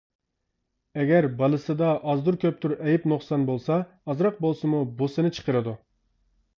ئەگەر بالىسىدا ئازدۇر-كۆپتۇر ئەيىب-نۇقسان بولسا ئازراق بولسىمۇ بۇسىنى چىقىرىدۇ.